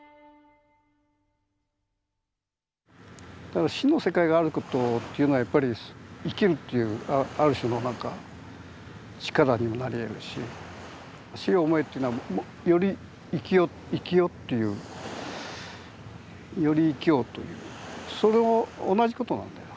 だから死の世界があることというのはやっぱり生きるっていうある種の何か力にもなりえるし「死を想え」っていうのはより生きよ生きよっていうより生きようというそれも同じことなんだよ。